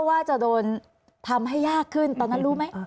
ว่าจะโดนทำให้ยากขึ้นตอนนั้นรู้ไหม